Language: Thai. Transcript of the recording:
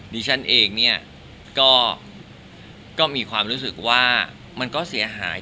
ดิฉันเองเนี่ยก็มีความรู้สึกว่ามันก็เสียหาย